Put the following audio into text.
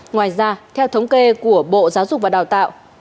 ngoài ra theo thống kê của bộ giáo dục và đào tạo